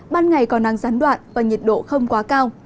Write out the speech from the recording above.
ban ngày có nắng gián đoạn với nhiệt độ không quá cao